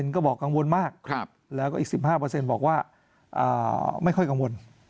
ก็บอกกังวลมากแล้วก็อีก๑๕บอกว่าไม่ค่อยกังวล